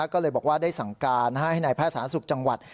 ก็เลยบอกว่าได้สั่งการให้นายแพทย์สาธารณสุขจังหวัด